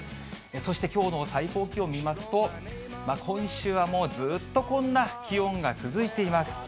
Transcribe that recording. そしてきょうの最高気温見ますと、今週はもうずーっとこんな気温が続いています。